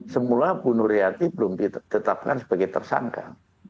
semula bu nur hayatin belum ditetapkan sebagai tersangka